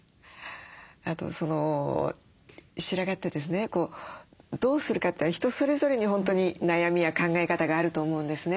あと白髪ってですねどうするかって人それぞれに本当に悩みや考え方があると思うんですね。